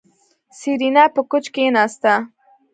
سېرېنا په کوچ کېناسته.